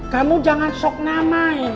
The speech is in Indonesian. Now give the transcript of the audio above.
kamu jangan sok namain